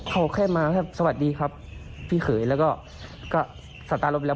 เขาแค่มาแค่สวัสดีครับพี่เขยแล้วก็ก็สตาร์ลบแล้ว